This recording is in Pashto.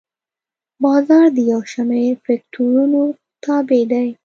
بازار د یو شمېر فکتورونو تابع دی.